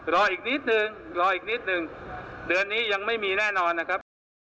รออีกนิดนึงรออีกนิดนึงเดือนนี้ยังไม่มีแน่นอนนะครับ